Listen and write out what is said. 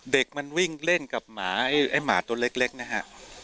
เด็กมันวิ่งเล่นกับหมาไอ้หมาตัวเล็กนะฮะ